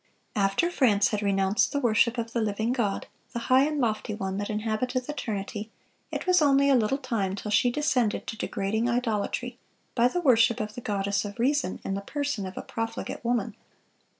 (403) After France had renounced the worship of the living God, "the high and lofty One that inhabiteth eternity," it was only a little time till she descended to degrading idolatry, by the worship of the Goddess of Reason, in the person of a profligate woman.